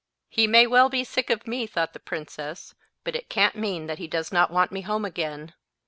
"He may well be sick of me!" thought the princess; "but it can't mean that he does not want me home again.